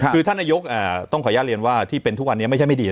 คือท่านนายกต้องขออนุญาตเรียนว่าที่เป็นทุกวันนี้ไม่ใช่ไม่ดี